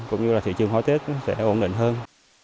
cũng như là thị trường hoa tết sẽ ổn định hơn